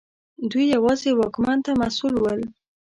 دوی یوازې واکمن ته مسوول ول.